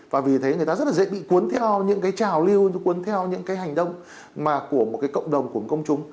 và vì thế người ta rất là dễ bị cuốn theo những cái trào lưu nó cuốn theo những cái hành động của một cái cộng đồng của công chúng